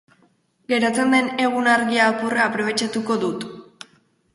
Geratzen den egun-argi apurra aprobetxatuko dut.